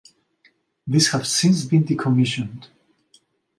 These have since been decommissioned.